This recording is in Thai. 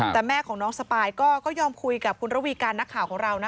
แต่แม่ของน้องสปายก็ยอมคุยกับคุณระวีการนักข่าวของเรานะ